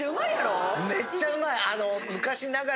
めっちゃうまいやろ？